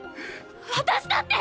私だって！